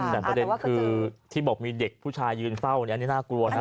แต่ประเด็นคือที่บอกมีเด็กผู้ชายยืนเฝ้าเนี่ยอันนี้น่ากลัวนะ